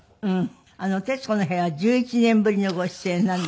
『徹子の部屋』は１１年ぶりのご出演なんです。